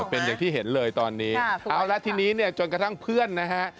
เป็นอย่างที่เห็นเลยตอนนี้เอาละทีนี้เนี่ยจนกระทั่งเพื่อนนะฮะ